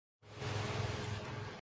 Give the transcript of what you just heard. তিনি চার মাসের মত ক্ষমতায় ছিলেন।